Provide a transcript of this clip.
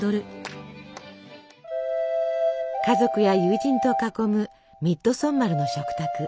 家族や友人と囲むミッドソンマルの食卓。